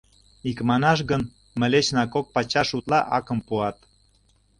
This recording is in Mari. Икманаш гын, мылечна кок пачаш утла акым пуат...